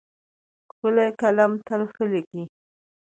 ښکلی قلم تل ښه لیکي.